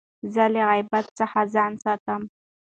زه له غیبت څخه ځان ساتم.